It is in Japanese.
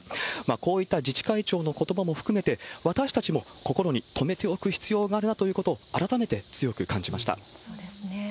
こういった自治会長のことばも含めて、私たちも心に留めておく必要があるなということを、そうですね。